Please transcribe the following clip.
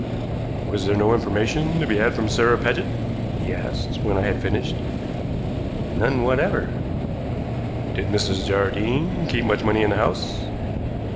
"Was there no information to be had from Sarah Paget?" he asked, when I had finished. "None whatever." "Did Mrs. Jardine keep much money in the house?"